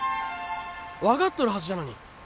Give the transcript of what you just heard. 分かっとるはずじゃのに。